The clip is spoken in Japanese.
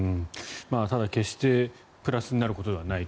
ただ、決してプラスになることではないと。